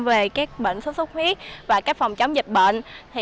về các bệnh suốt suốt huyết và các phòng chống dịch bệnh